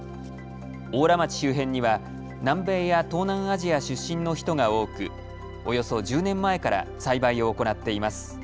邑楽町周辺には南米や東南アジア出身の人が多くおよそ１０年前から栽培を行っています。